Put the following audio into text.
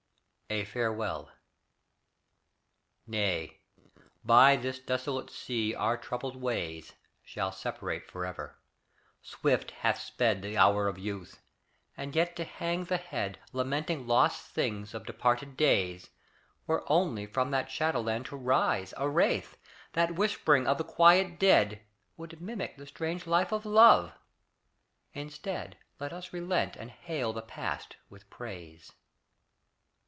A FAREWELL Nay: by this desolate sea our troubled ways Shall separate forever; swift hath sped The hour of youth, and yet to hang the head, Lamenting lost things of departed days, Were only from that shadowland to raise A wraith, that whispering of the quiet dead, Would mimic the strange life of love; instead, Let us relent and hail the past with praise.